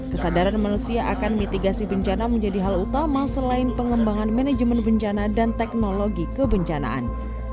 kesadaran manusia akan mitigasi bencana menjadi hal utama selain pengembangan manajemen bencana dan teknologi kebencanaan